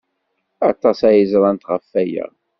Aṭas ay ẓrant ɣef waya.